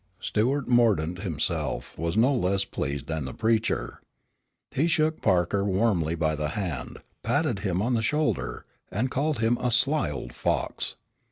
Stuart Mordaunt himself was no less pleased than the preacher. He shook Parker warmly by the hand, patted him on the shoulder, and called him a "sly old fox."